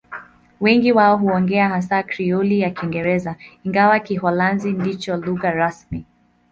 Wengi wao huongea hasa Krioli ya Kiingereza, ingawa Kiholanzi ndicho lugha rasmi.